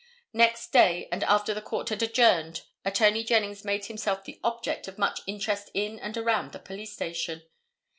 Next day and after the court had adjourned Attorney Jennings made himself the object of much interest in and around the police station.